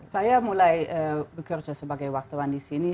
saya mulai bekerja sebagai wartawan di sini